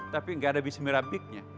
tapi tidak ada bismillahirrahmanirrahim nya